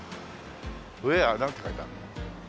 ウェア？なんて書いてあるんだ？